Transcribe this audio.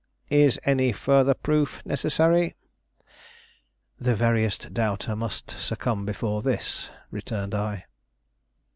Is any further proof necessary?" "The veriest doubter must succumb before this," returned I.